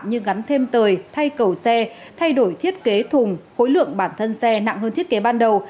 như gắn thêm tời thay cầu xe thay đổi thiết kế thùng khối lượng bản thân xe nặng hơn thiết kế ban đầu